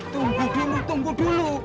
tunggu dulu tunggu dulu